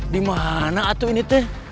dimana aku ini tuh